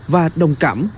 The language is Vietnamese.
và đồng cảm